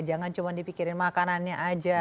jangan cuma dipikirin makanannya aja